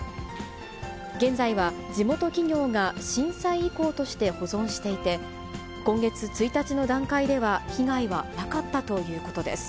現在は地元企業が震災遺構として保存していて、今月１日の段階では被害はなかったということです。